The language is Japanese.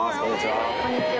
こんにちは。